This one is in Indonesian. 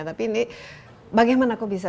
tapi ini bagaimana kok bisa